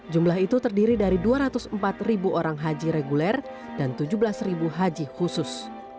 jumlah itu terdiri dari dua ratus empat ribu orang haji reguler dan tujuh belas ribu haji khusus